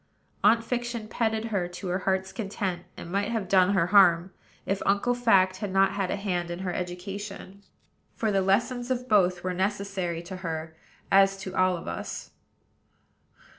Aunt Fiction petted her to her heart's content, and might have done her harm, if Uncle Fact had not had a hand in her education; for the lessons of both were necessary to her, as to all of us.